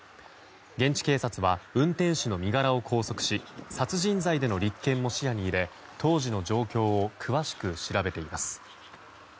現地警察は運転手の身柄を拘束し殺人罪での立件も視野に入れ当時の状況を詳しく調べています。